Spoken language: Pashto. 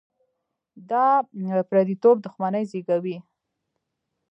دا پرديتوب دښمني زېږوي.